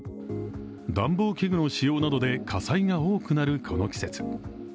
暖房器具の使用などで火災が多くなるこの季節。